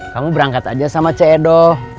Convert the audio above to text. kamu berangkat aja sama ce edo